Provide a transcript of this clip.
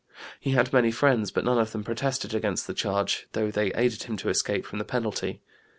He had many friends but none of them protested against the charge, though they aided him to escape from the penalty.